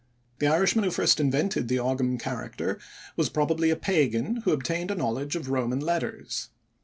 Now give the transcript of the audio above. The Irishman who first invented the Ogam character was probably a pagan who obtained a knowledge of Roman letters.